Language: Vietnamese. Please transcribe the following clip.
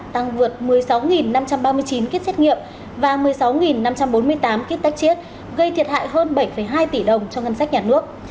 tăng vượt một mươi sáu năm trăm ba mươi chín kết xét nghiệm và một mươi sáu năm trăm bốn mươi tám kết tách chiết gây thiệt hại hơn bảy hai tỷ đồng cho ngân sách nhà nước